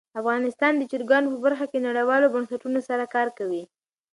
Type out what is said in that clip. افغانستان د چرګانو په برخه کې نړیوالو بنسټونو سره کار کوي.